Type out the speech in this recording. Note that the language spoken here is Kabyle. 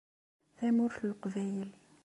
Tamurt n leqbayel.